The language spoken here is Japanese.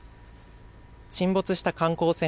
沈没した観光船